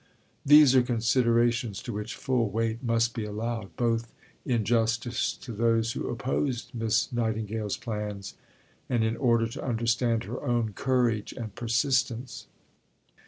These are considerations to which full weight must be allowed, both in justice to those who opposed Miss Nightingale's plans, and in order to understand her own courage and persistence.